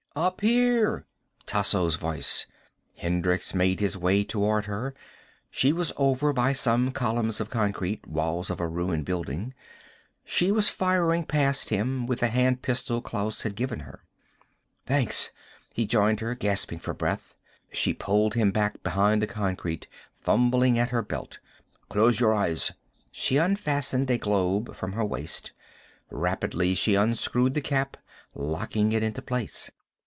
"Up here!" Tasso's voice. Hendricks made his way toward her. She was over by some columns of concrete, walls of a ruined building. She was firing past him, with the hand pistol Klaus had given her. "Thanks." He joined her, grasping for breath. She pulled him back, behind the concrete, fumbling at her belt. "Close your eyes!" She unfastened a globe from her waist. Rapidly, she unscrewed the cap, locking it into place.